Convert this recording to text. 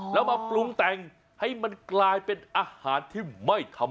แล้วมาปรุงแต่งให้มันกลายเป็นอาหารที่ไม่ทำ